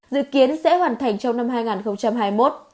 dự kiến sẽ hoàn thành trong năm hai nghìn hai mươi một